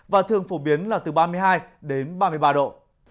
và thường phổ biến là từ ba mươi hai đến ba mươi ba độ